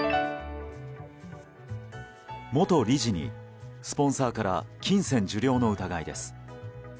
元理事にスポンサーから金銭受領の疑いです。